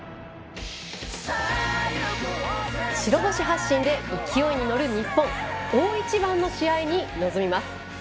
白星発進で勢いに乗る日本大一番の試合に臨みます。